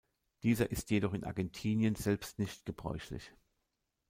Dieser ist jedoch in Argentinien selbst nicht gebräuchlich.